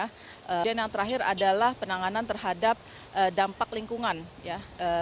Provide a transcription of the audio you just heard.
kemudian yang terakhir adalah penanganan terhadap dampak lingkungan ya